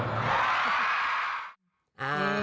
เท่าไหร่นะครับ